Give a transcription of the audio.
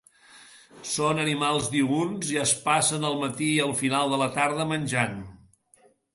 Són animals diürns i es passen el matí i el final de la tarda menjant.